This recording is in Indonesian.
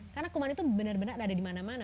karena kuman itu benar benar ada dimana mana